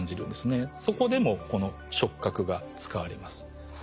そこでもこの触角が使われます。